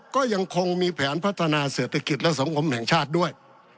ก็ยังคงมีแผนพัฒนาเศรษฐกิจและสังคมแห่งชาติด้วย